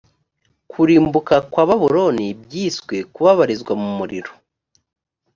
kurimbuka kwa babuloni byiswe kubabarizwa mu muriro